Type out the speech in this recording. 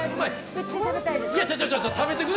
別で食べたいです。